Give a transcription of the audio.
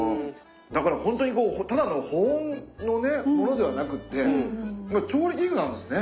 だから本当にただの保温のものではなくって調理器具なんですね。